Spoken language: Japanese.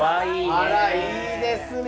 あらいいですね。